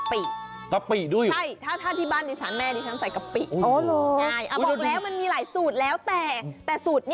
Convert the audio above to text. พริกดกคุณนี่สุกแล้วกินได้มันหวาน